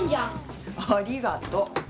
ありがと。